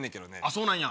そうなんや。